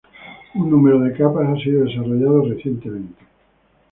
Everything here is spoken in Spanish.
Un número de "capas" ha sido desarrollado recientemente.